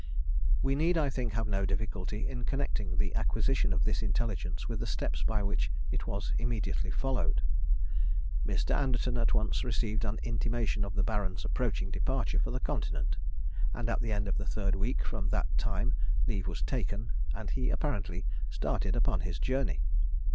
We need, I think, have no difficulty in connecting the acquisition of this intelligence with the steps by which it was immediately followed. Mr. Anderton at once received an intimation of the Baron's approaching departure for the continent, and at the end of the third week from that time leave was taken, and he apparently started upon his journey.